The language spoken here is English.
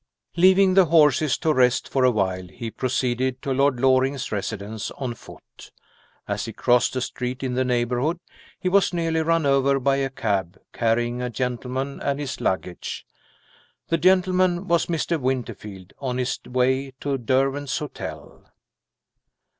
Leaving the horses to rest for a while, he proceeded to Lord Loring's residence on foot. As he crossed a street in the neighborhood, he was nearly run over by a cab, carrying a gentleman and his luggage. The gentleman was Mr. Winterfield, on his way to Derwent's Hotel.